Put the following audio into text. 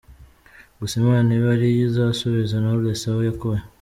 Gusa Imana ibe ariyo izasubiza Knowless aho yakuye”.